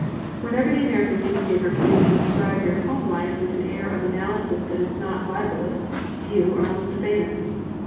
Whenever the American newspaper begins to describe your home life with an air of analysis that is not libellous you are among the famous.